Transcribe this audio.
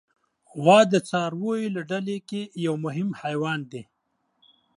غوا د څارویو له ډله کې یو مهم حیوان دی.